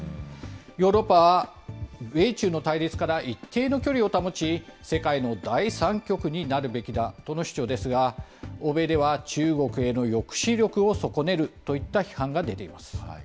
ヨーロッパは米中の対立から一定の距離を保ち、世界の第三極になるべきだとの主張ですが、欧米では中国への抑止力を損ねるといった批判が出ています。